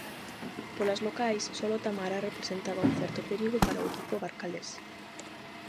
Polas locais solo Tamara representaba un certo perigo para o equipo barcalés.